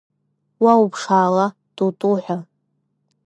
Уа уԥшаала, ту-ту ҳәа…